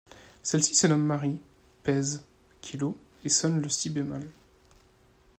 Celle-ci se nomme Marie, pèse kilos, et sonne le si-bémol.